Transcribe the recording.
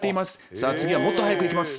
さあ次はもっと速くいきます。